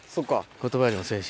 言葉よりも精神。